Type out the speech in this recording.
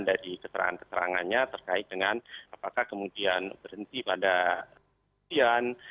dari keterangan keterangannya terkait dengan apakah kemudian berhenti pada siang